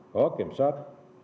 có kiểm soát